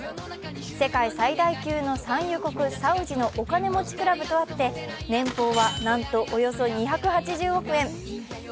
世界最大級の産油国・サウジのお金持ちクラブとあって年俸は、なんとおよそ２８０億円。